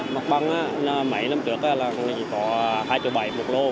mặt băng là mấy năm trước là chỉ có hai bảy triệu một lô